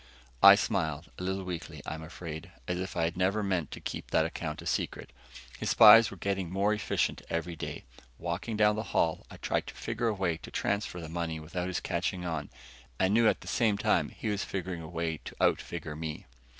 I smiled, a little weakly, I'm afraid, as if I had never meant to keep that account a secret. His spies were getting more efficient every day. Walking down the hall, I tried to figure a way to transfer the money without his catching on and knew at the same time he was figuring a way to outfigure me.